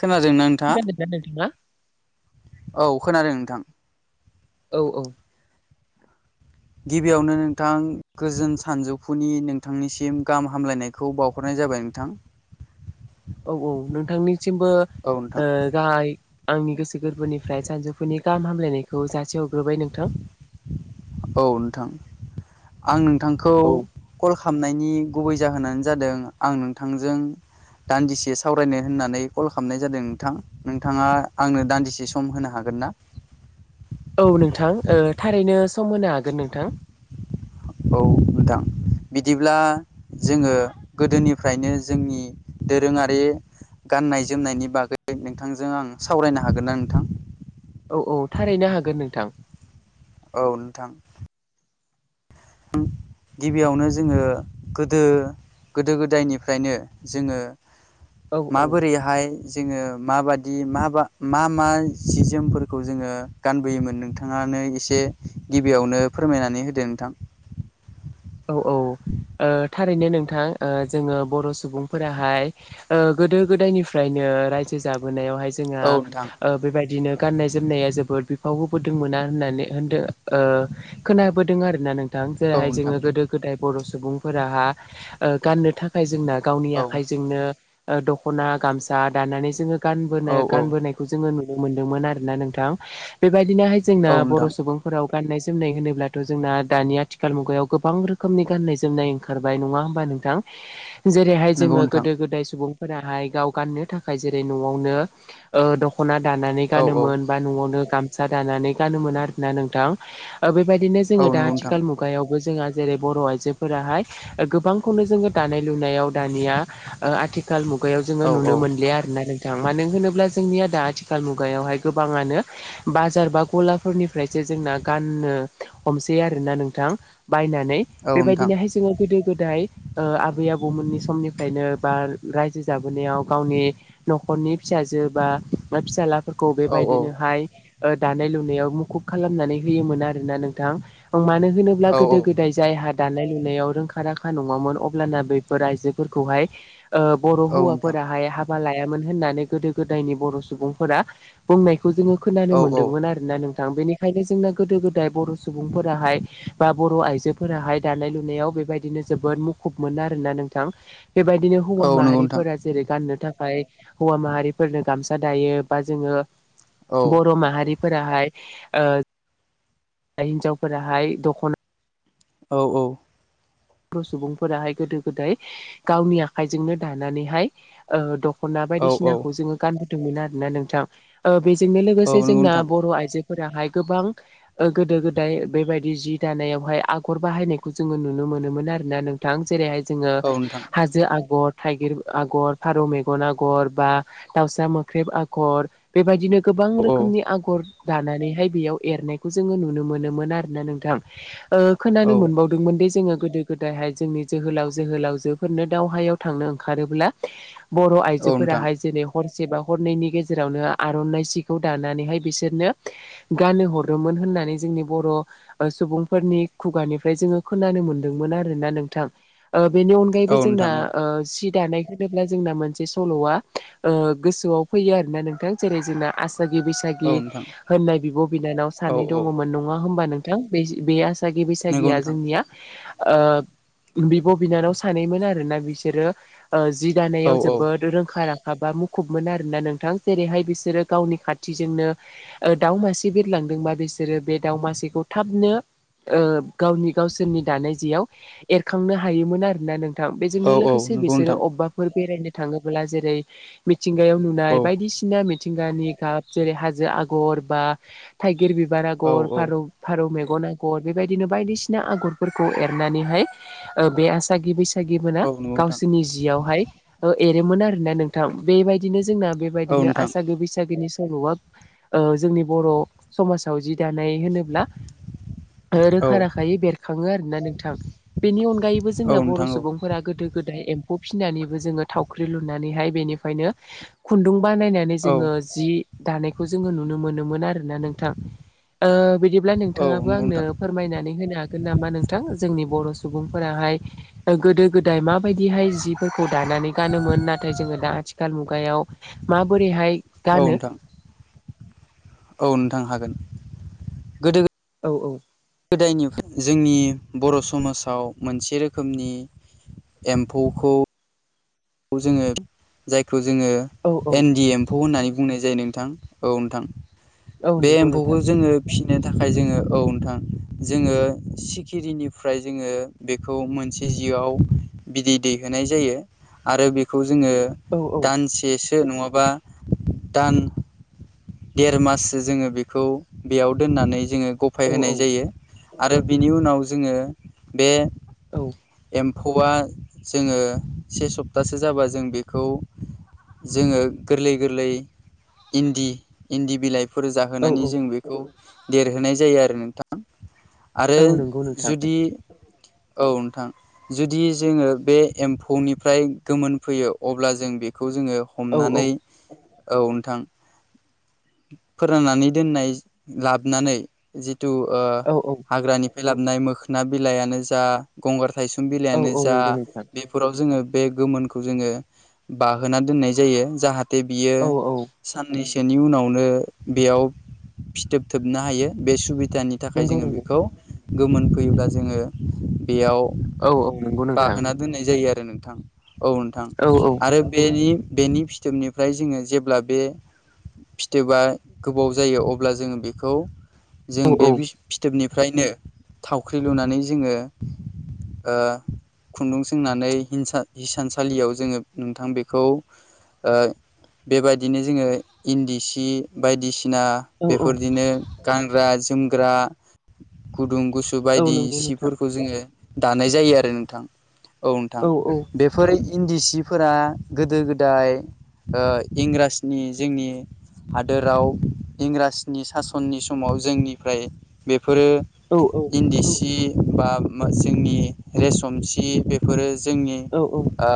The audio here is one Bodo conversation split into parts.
खोनादोंना नोंथाङा? खोनादोंना नोंथाङा? औ खोनादों नोंथां। औ औ गिबियावनो नोंथां गोजोन सानजौफुनि नोंथांनिसिम गाहाम हामलायनायखौ बावहरनाय। जाबाय नोंथां। औ औ नोंथांनिसिमबो औ नोंथां ओ गाहाय आंनि गोसो गोरबोनिफ्राय सानजौफुनि गाहाम हामलायनायखौ जासि हरग्रोबाय नोंथां। औ नोंथां आं नोंथांखौ औ कल खालामनायनि गुबै जाहोनानै जादों आं नोंथांजों। दान्दिसे सावरायनो होननानै कल खालामनाय जादों। नोंथां नोंथाङा आंनो दान्दिसे सम होनो हागोन? ना? औ नोंथां ओ थारैनो सम होनो हागोन नोंथां। औ नोंथां। बिदिब्ला जोङो गोदोनिफ्रायनो जोंनि दोरोङारि। गाननाय - जोमनायनि बागै नोंथांजों आं सावरायनो हागोन ना नोंथां? औ - औ थारैनो हागोन नोंथां। औ नोंथां। [unintelligible] गिबियावनो जोङो गोदो - गोदो - गोदायनिफ्रायनो जोङो। औ औ माबोरैहाय जोङो माबादि माबा मा - मा सि - जोमफोरखौ जोङो गानबोयोमोन नोंथाङा माने एसे गिबियावनो फोरमायनानै होदो नोंथां। औ - औ ओ थारैनो नोंथां जोङो बर' सुबुंफोराहाय ओ गोदो-गोदायनिफ्रायनो ओ रायजो जाबोनायावहाय जोंहा औ नोंथां बेबायदिनो गाननाय जोमनाया जोबोद बिफाव होबोदोंमोना होननानै होनदों ओ खोनाबोदों आरोना नों थां औ जेरैहाय नोंथां जों जाय बर' सुबुंफोराहा गाननो थाखाय जोंना गावनि औ आखाइजोंनो दखना, गामसा दानानै जोङो औ गानबोनो गानबोनायखौ जोङो नु मोनदोंमोन आरोना नोंथां बेबायदिनोहाय औ जोंना बर' नोंथां सुबुंफोराव गाननाय - जोमनाय होनोब्लाथ' जोंना दानि आथिखाल मुगायाव गोबां रोखोमनि गाननाय - जोमनाय ओंखारबाय। नङा होमबा नोंथां? जेरैहाय नंगौ जोङो नोंथां गोदो - गोदाय सुबुं फोराहाय गाव गाननो थाखाय जेरै न'आवनो ओ दखना दानानै औ गानो औ मोन। बा न'आव नों गामसा दानानै गानो मोन आरोना नोंथां बेबायदिनो औ जोङो दा नंगौ नोंथां आथिखाल मुगायाव जोंहा जेरै बर' आइजोफोराहाय गोबांखौनो जोङो दानाय लुनायाव दानिया ओ आ आथिखाल मुगायाव जोङो औ औ नुनो मोनलिया आरो नों थां मानो होनोब्ला जोंनियादा आथिखाल मुगायावहाय गोबाङानो बाजार, बा गलाफोरनिफ्रायसो जोंना गाननो हमसै आरोना नोंथां बायनानै औ नोंथां बेबायदिनोहाय जोङो गोदो गोदाय आबै - आबौमोननि समनिफ्रायनो बा रायजो जाबोनायाव गावनि न'खर नखरनि फिसाजो बा फिसााजलाफोरखौ औ औ बेबायदिनोहाय ओ दानाय - लुनायावहाय मुखुब खालामनानै होयोमोन आरो ना नोंथां मानो होनोब्ला गोदो - औ गोदाय जायहा दानाय लुनायाव रोंखा - राखा नङामोन अब्लाना बैफोर आइजोफोरखौहाय ओ बर' नोंथां हौवाफोराहाय हाबा लायामोन होननानै गोदो गोदायनि बर' सुबुंफोरा बुंनाय खौ जोङो खोनानो औ मोनदोंमोन औ आरोना नोंथां। बेनिखायनो जोंना गोदो - गोदाय बर' सुबुंफोराहाय बा बर' आइजोफोराहाय दानाय लुनायाव बेबायदिनो जोबोद मुखुब मोनो आर ना नोंथां। बेबायदिनो औ हौवा नंगौ नोंथां माहारिफोरा जेरै गाननो थाखाय खाय होवा माहारिफोरनो गामसा दायो बा जोङो औ बर' माहारि फोराहाय ओ दा हिन्जावफोराहाय दख'ना औ - औ बर' सुबुंफोराहाय गोदो - गोदाय गावनि आखाइजोंनो दानानैहाय ओ दख' दखना औ औ बायदिसिनाखौ जोङो गानबोदोंमोन आरोना नोंथां बेजोंनो लोगोसे औ नंगौ जोंना नोंथां बर' आइजो फोराहाय गोबां गोदो गोदाय बेबायदि जि दानायावहाय आगर बाहायनायखौ जोङो नुनो मोनो ननो आरोोना नोंथां जेरैहाय जोङो औ नोंथां हाजो आगर थाइगिर आगर फारौ मेगन आगर बा दाउसा मोख्रेब आगर बेबायदिनो गोबां औ रोखोमनि आगर दानानैहाय बेयाव एरनायखौ जोङो नुनो मोनोमोन आरो ना नोंथां। औ खोनानो मोनबावदोंमोन दे जोङो गोदो गोदायहाय जोंनि जोहोलाव जोहोलावजोफोरनो दावहायाव थांनो ओंखारोब्ला बर' औ नोंथां आइजोफोराहाय जेरै ह बा हरनि गेजेरावनो आर'नाइ सिखौ दानानैहाय बिसोरनो गानो हरोमोन होननानै नानै जोंनि बर' सुबुंफोरनि खुगानिफ्राय जोङो खोनानो मोन [unintelligible] आरोना नोंथांन ओ बेनि औ अनायैबो जोंना नोंथां औ ओ सिट दानाय होनोब्ला जोंना मोनसे सल' बे समावनो ओ गोसोआव फैयो आरोना नोंथां जेरै जोंना आसाम औ बैसागि नोंथां होननाय बिब' बिनानाव औ सानै औ दङमोन नङा होमबा नोंथां। बे आसागि नंगौ बैसागिया नोंथां जोंनिया ओ बिब' बिनानाव सानैमोन आरोोना बिसोरो ओ जि औ दानायाव औ जोबोद रोंखा रां ाबा मुखुबमोन आरोना नोंथां जेरैहाय बिसोरो गावनि खाथिजोंनो दाउ मासे बिरलाां बिसोरो दा थबनो गावनि गावसिनि दा याव एरखांनो हायोमोन आरोोना नोंथां औ बेजोंनो औ लोगोसे नंगौ बिसोरो नोंथां अबेबाफोर बेरायनो थाङोब्ला जेरै मिथिंगायाव नुनाय औ बायदिसिना मिथिंगानि गाब जेरै हाजो आगर बा थाइगिर बिबार औ आगर औ फारौ मे न आगर बेबायदिनो बायदिसिना आगरफोरखौ एरनानैहाय ओ बे आसगि बैस मोना औ नंगौ नोंथां गावसोरनि जियावहाय एरोमोन आरोना नोंथां बेबायदिनो जोंना औ बेबायदिनो नोंथां आसागो बैसागोनि सल'ओ जोंनि बर' समाजाव जि दानाय होनोब्ला औ रोखा राखायै बेरखाङो आरो नोंथां बेनि अनगायैबो औ जोंना बर' नोंथां सुबुंफोरा गोदो गो [unintelligible] बानायनानै औ जोङो जि दानायखौ जोङो नुनो मोनोमोन आरो। आरोना नोंथां बिदिब्ला औ नोंथाङाबो नंगौ आंनो नोंथां फोरमायनानै होनो हागोन नामा नोंथ जोंनि बर' सुबुंफोराहाय गोदो गोदाय माबायदिहाय जिफोरखौ दानानै गानोमोन नाथाय जोङो दा आथिखाल मुगायाव माबोरैहाय। औ गानो नोंथां। औ नोंथां हागोन गोदो औ औ। गोदायनिफ्राय जोंनि बर' समाजाव मोनसे रोखोमनि। एम्फौखौ। खौ जोङो जायखौ जोङो औ औ एन डि एमफ होननानै। बुंनाय जायो नोंथां औ नोंथां औ बे नंगौ एम्फौखौ नोंथां जोङो फ बेनो थाखाय जोङो औ नोंथां जोङो सिखिरिनिफ्राय जोङो बेखौ मोनसे बिदै दैयहोनाय जायो आरो जो औ औ दसे नङाबा दान देर माससो जोङो बेखौ बेयाव दोननानै। जोङो गफाय औ होनाय औ जायो आरो बिनि उनाव जोङो बे औ एम्फौआ जोङो से सप्तासो जाबा जों बेखौ जोङो गोरलै गोरलै इन्दि इन्दि बिलाइ फोर औ जाहोनानै जों बेखौ देरहोनाय जायो आरो नोंथां आरो औ नंगौ नोंथां जुदि औ नोंथां जुदि जोङो बे एम्फौनि फ्राय गोमोन फैयो अब्ला जों बेखौ जोङो औ हमनानै औ औ नोंथां फोराननानै दोननाय लाबनानै जि तु ओ औ औ हाग्रानिफ्राय लाबनाय मोखोना बिलाइानो जा गंगार थाइसुम बिलाइ औ आनो औ जा नंगौ नोंथां बेफोराव जोङो बे गोमोनखौ जोङो बाहोना दोननाय जायो जाहाथे बियो औ औ साननैस बेनि उनावनो बेयाव फिथोब थोबनो हायो बे सुबि दानि थाखाय नंगौ जोङो नंगौ बेखौ गोमोन फैयोब्ला जोङो बेयाव औ औ नंगौ नोंथां बाहोना दोननाय जायो आरो नोंथां औ नोंथां औ औ आरो बेनि बेनि फिथोबनिफ्राय जोङो जेब्ला बे फिथोबा गोबाव जायो अब्ला जोङो बेखौ जों औ औ बे बिस-फिथोबनि फ्रायनो थावख्रि लुनानै जोङो ओ खुन्दुं सोंनानै हिंसा हिसानसालियाव जोङो नोंथां बेखौ ओ। बेबायदिनो जोङो इन्दि सि बायदिसि। ना औ बेफोरदिनो गानग्रा-जोमग्रा गुदुं। गुसु औ बायदि नंगौ नोंथां सिफोरखौ जोङो दानाय जायो आरो नोंथां औ नोंथां। औ बेफोर इन्दि सिफोरा गोदो-गोदाय। ओ इंराजनि जोंनि। हादोराव इंराजनि सासननि समाव जोंनिफ्राय बेफ। बेफोरो औ इन्दि सि बा मा जोंनि रेसम सि बेफोरो। जोंनि औ ओ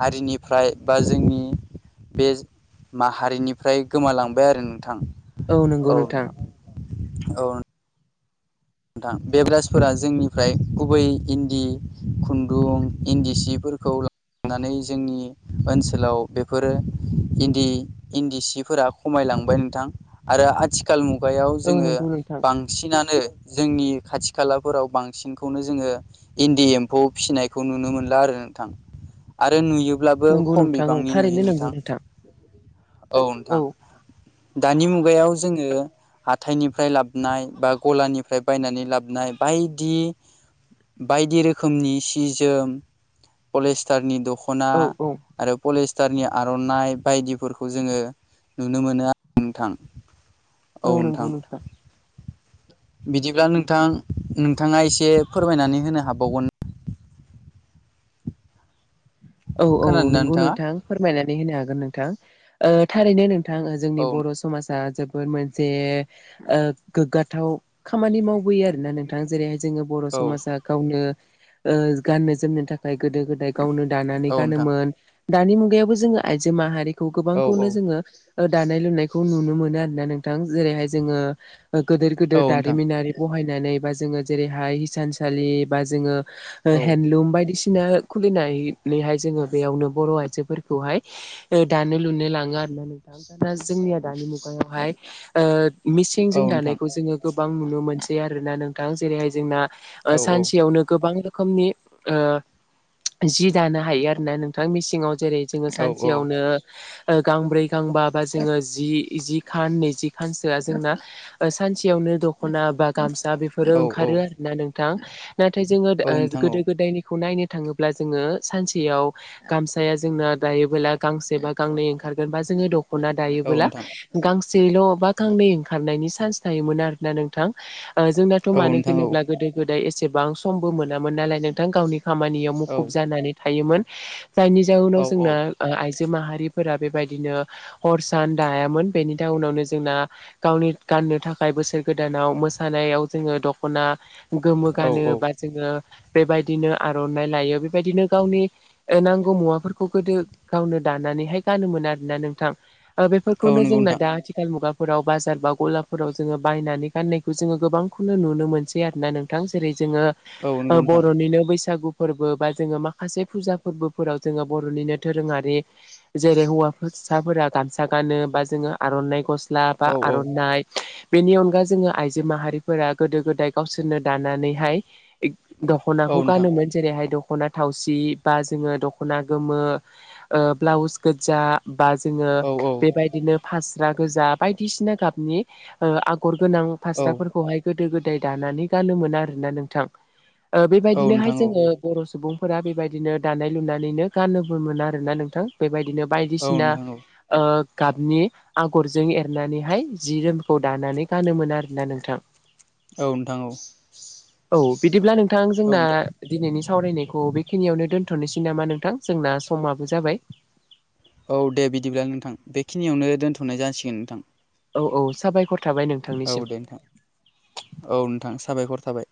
हारिनिफ्राय बा जोंनि। बे माहारिनिफ्राय गोमालांबाय आरो नोंथां। औ नंगौ नोंथां। औ। नोंथां बेब्रासफोरा जोंनिफ्राय गुबै इन्दि खुन्दुं इन्दि सिफो। फोरखौ ला। नानै जोंनि ओनसोलाव बेफोरो इन्दि-इन्दिसिफोरा खमाय। लांबाय नोंथां आरो आथिखाल मुगायाव औ जोङो नंगौ नोंथां बांसिनानो। जोंनि खाथि-खालाफोराव बांसिनखौनो जोङो इन्दि एम्फौ फिसिनायखौ नुनो मोनला आरो। नोंथां आरो नुयोब्लाबो नंगौ खम नोंथां औ बिबांनि नुयो थारैनो नंगौ नोंथां। औ नोंथां। दानि मुगायाव जोङो हाथायनिफ्राय लाबनाय बा गलानि। फ्राय बायनानै लाबनाय बायदि-बायदि रोखोमनि सि-जोम। पलेस्टारनि दख'ना औ औ आरो पलेस। टारनि आर'नाइ बायदिफोरखौ जोङो नुनो मोनो आरो नोंथां। औ नंगौ नोंथां। बिदिब्ला नोंथां-नोंथाङा एसे फोरमायनानै होनो हाबावगोन? औ-औ खोनादोंना नोंगौ नोंथाङा नोंथां फोरमायनानै होनो हागोन नोंथां ओ थारैनो नों। थां ओ औ जोंनि बर' समाज। आ जोबोर मोनसे ओ गोग्गाथाव खामानि मावबोयो आरोना नोंथां जेरै। जोङो बर' औ समाजा गावनो ओ गाननो -जोमनो थाखाय गोदो-गोदाय गावनो। दानानै औ नोंथां गानोमोन दानि मुगायावबो जों आइजो माहारि। खौ औ औ गोबांखौनो जोङो दानाय लुनायखौ नुनो मोनो आरोना नोंथां। जेरैहाय जोङो‌। औ नोंथां औ गोदोर-गोदोर नोंथां दारिमिनारि बहायनानै बा जोङो जेरैहाय हिसानसालि बा जोङो। औ हेन्दलुम बायदिसिना खुलिनाय। नैहाय जोङो बेयावनो बर' आइजोफोरखौहाय दानो- लुनो लाङो आरोना नोंथां दा जों। [unintelligible] जोंनि आ दानि मुगायावहाय ओ। औ मिसिंजों दानायखौ जोङो गोबां नुनो मोनसै आरोना नोंथां जेरैहाय जोंना। ओ औ सानसेयावनो गोबां रोखोमनि ओ जि। दानो हायो आरोना नोंथां मिसिंआव जेरै जोङो औ औ सानसेयावनो। गांब्रै, गांबा बा जोङो जि-जि खान, नैजि खानसोआ जोंना ओ सानसेयाव। दख'ना बा गामसा नोंथां बेफोरो औ ओंखारो आरो ना नोंथां नाथाय जोङो औ ओ नोंथां गोदो-गोदायनि। बेखौ नायनो थाङोब्ला जोङो। सानसेयाव गामसाया जोंना दायोबोला गांसे बा गांनै ओंखारगोन बा जोङो दख। ना औ दायोबोला गां। सेल' बा गांनै ओंखारनायनि सान्स थायोमोन आरोना नोंथां‌। जोंनाथ' मानो नोंथां होनोब्ला गोदो-गोदाय एसेबां समबो मोनामोन नालाय नोंथां गावनि। खामानियाव औ मुखुब जानानै थायोमोन जायनि जाउननाव औ जोंना औ आइ। जो माहारिफोरा बेबायदिनो हर, सान दायामोन बेनि थाखाय उनावनो जोंना गावनि। गाननो थाखाय बोसोर गोदानाव मोसानायाव जोङो दख'ना। गोमो औ गानोबा औ जोङो बेबायदिनो आर'नाइ लायो बेबायदिनो। गावनि नांगौ मुवाफोरखौ गोदो गावनो दानानैहाय गानोमोन आरोना नोंथां। ओ औ बेफोरखौनो नंगौ जोंना नोंथां दा आथिखाल मुगा फोराव बाजार बा गलाफोराव जोङो बायनानै गाननायखौ जोङो गोबांखौनो नुनो मोनसै आरोना नोंथां। जेरै जोङो औ नंगौ नोंथां बर'निनो बैसागु फोरबो बा जोङो मा खासे फुजा फोरबोफोराव जोङो बर'निनो दोरोङारि जेरै हौवासाफोरा गामसा गा गानो बा जोङो आर'नाइ गस्ला बा औ औ आर'नाइ बेनि अनगा जोङो आइजो माहारिफोरा गोदो गोदाय गावसोरनो दानानैहाय औ दख'नाखौ नोंथां गानोमोन जेरैहाय दख थावसि बा जोङो दख'ना गोमो ब्लाउस गोज्जा बा जोङो औ औ बेबायदिनो फास्रा गोजा बायदिसिना गाबनि ओ आ गर गोनां औ फासराफोरखौहाय गोदो गोदाय दानानै गानोमोन आरोना नोंथां। औ बेबायदिनोहाय नोंथां औ जोङो बर' सुबुं फोरा बेबायदिनो दानाय लुनानैनो गाननोबो मोन आरोना नोंथां बेबायदिनो औ बायदिसिना नोंथां औ ओ गाबनि आगरजों एरनानैहाय जि जोमखौ दानानै गानोमोन आरोना नोंथां। औ नोंथां औ औ बिदिब्ला नोंथां औ जोंना नोंथां दिनैनि सावरायनायखौ बेखिनियावनो दोन्थ'नोसै नामा नोंथां जोंना समाबो जाबाय। औ दे बिदिब्ला नोंथां। बेखिनियावनो दोनथ'नाय जासिगोन नोंथां। औ औ साबायखर। थाबाय औ नोंथांनिसिम दे नोंथां औ। नोंथां साबायखर थाबाय।